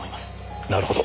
なるほど。